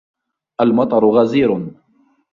الْمَطَرُ غَزِيرٌ.